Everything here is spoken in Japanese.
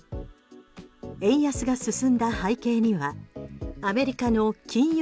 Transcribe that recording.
円安が進んだ背景にはアメリカの金融